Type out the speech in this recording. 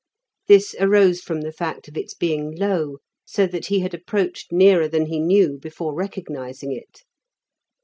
This arose from the fact of its being low, so that he had approached nearer than he knew before recognising it.